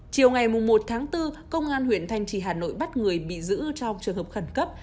chiều ngày một tháng bốn công an huyện thanh trì hà nội bắt người bị giữ trong trường hợp khẩn cấp